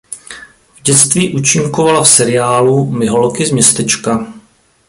V dětství účinkovala v seriálu "My holky z Městečka".